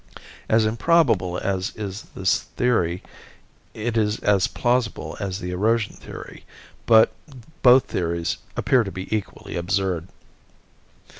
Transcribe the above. As improbable as is this theory it is as plausible as the erosion theory, but both theories appear to be equally absurd.